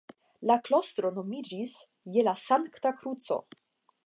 La klostro nomiĝis "Je la Sankta Kruco".